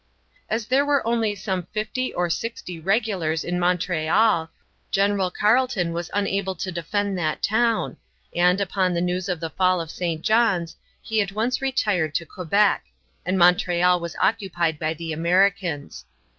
As there were only some fifty or sixty regulars in Montreal, General Carleton was unable to defend that town, and, upon the news of the fall of St. John's, he at once retired to Quebec, and Montreal was occupied by the Americans.